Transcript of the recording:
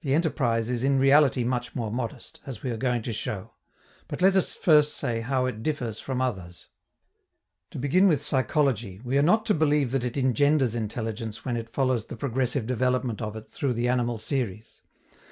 The enterprise is in reality much more modest, as we are going to show. But let us first say how it differs from others. To begin with psychology, we are not to believe that it engenders intelligence when it follows the progressive development of it through the animal series.